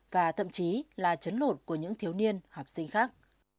và thậm chí là chấn lột của những thiếu niên học sinh khác